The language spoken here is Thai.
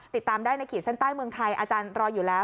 ติดตามได้ในขีดเส้นใต้เมืองไทยอาจารย์รออยู่แล้ว